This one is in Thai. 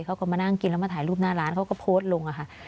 เขาก็มานั่งกินแล้วมาถ่ายรูปหน้าร้านเขาก็โพสต์ลงค่ะ